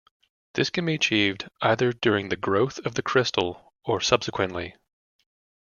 This can be achieved either during the growth of the crystal, or subsequently.